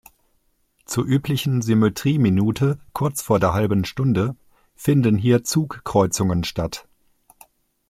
Zur üblichen Symmetrieminute kurz vor der halben Stunde finden hier die Zugkreuzungen statt.